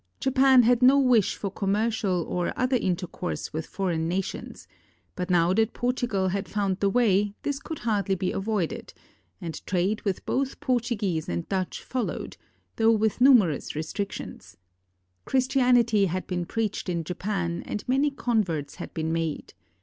Japan had no wish for commercial or other inter course with foreign nations, but now that Portugal had found the way, this could hardly be avoided, and trade with both Portuguese and Dutch followed, though with numerous restrictions. Christianity had been preached in Japan and many converts had been made.